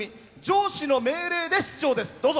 上司の命令で出場です。